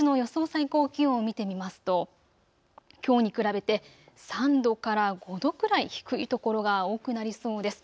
最高気温を見てみますときょうに比べて３度から５度くらい低い所が多くなりそうです。